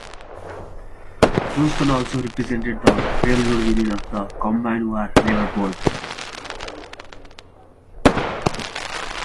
Johnston also represented the railroad union of the Combined War Labor Board.